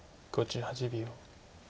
５８秒。